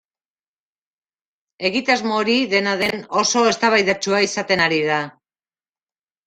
Egitasmo hori, dena den, oso eztabaidatsua izaten ari da.